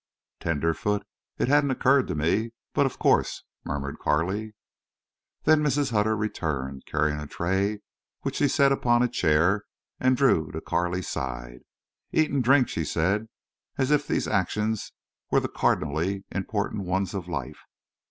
"Tenderfoot! It hadn't occurred to me. But of course—" murmured Carley. Then Mrs. Hutter returned, carrying a tray, which she set upon a chair, and drew to Carley's side. "Eat an' drink," she said, as if these actions were the cardinally important ones of life.